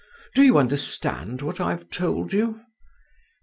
Do you understand what I've told you?"